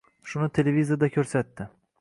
Shuni televizorda ko‘rsatdi.